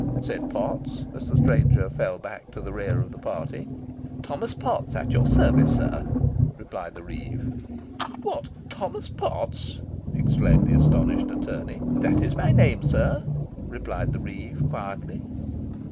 said Potts, as the stranger fell back to the rear of the party. "Thomas Potts, at your service, sir," replied the reeve. "What! Thomas Potts!" exclaimed the astonished attorney. "That is my name, sir," replied the reeve, quietly.